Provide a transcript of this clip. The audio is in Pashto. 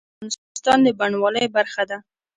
اقلیم د افغانستان د بڼوالۍ برخه ده.